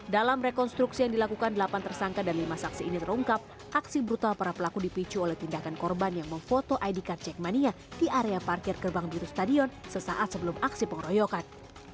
dalam rekonstruksi yang dilakukan delapan tersangka dan lima saksi ini terungkap aksi brutal para pelaku dipicu oleh tindakan korban yang memfoto id card jackmania di area parkir gerbang biru stadion sesaat sebelum aksi pengeroyokan